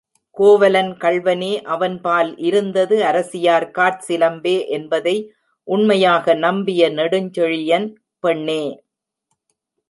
கோவலன் கள்வனே அவன்பால் இருந்தது, அரசியார் காற்சிலம்பே என்பதை உண்மையாக நம்பிய நெடுஞ்செழியன், பெண்ணே!